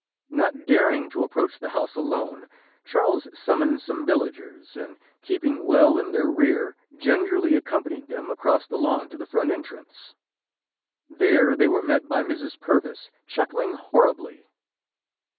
"Not daring to approach the house alone, Charles summoned some villagers, and keeping well in their rear, gingerly accompanied them across the lawn to the front entrance. "There they were met by Mrs. Purvis, chuckling horribly.